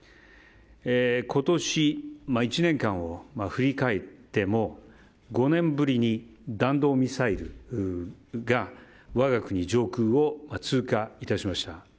今年１年間を振り返っても５年ぶりに弾道ミサイルが我が国上空を通過いたしました。